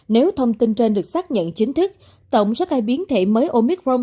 nếu thông tin trên được xác nhận chính thức tổng sát cai biến thể mới omicron